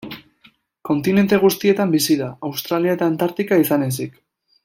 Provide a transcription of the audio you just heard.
Kontinente guztietan bizi da, Australia eta Antartika izan ezik.